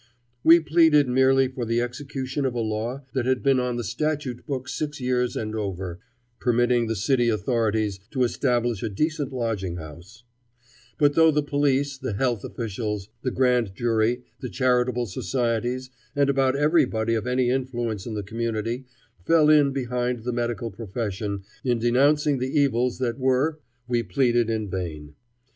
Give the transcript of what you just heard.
We pleaded merely for the execution of a law that had been on the statute books six years and over, permitting the city authorities to establish a decent lodging house; but though the police, the health officials, the grand jury, the charitable societies, and about everybody of any influence in the community fell in behind the medical profession in denouncing the evils that were, we pleaded in vain.